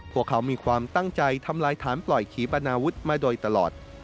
พวกเขามีความตั้งใจทำลายฐานปล่อยขีปนาวุฒิมาโดยตลอด